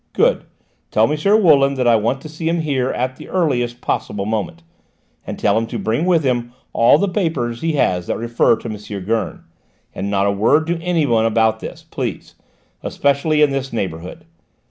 "Good: tell M. Wooland that I want to see him here at the earliest possible moment; and tell him to bring with him all the papers he has that refer to M. Gurn. And not a word to anyone about all this, please, especially in this neighbourhood.